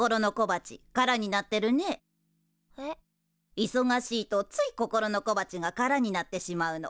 いそがしいとつい心の小鉢が空になってしまうの。